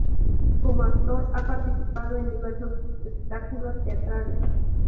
Como actor ha participado en diversos espectáculos teatrales.